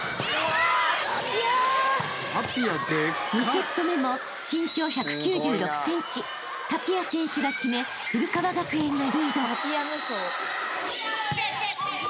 ［２セット目も身長１９６ｃｍタピア選手が決め古川学園がリード］